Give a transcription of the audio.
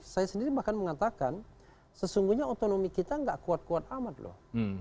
saya sendiri bahkan mengatakan sesungguhnya otonomi kita gak kuat kuat amat loh